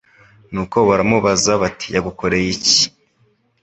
Nuko baramubaza bati yagukoreye iki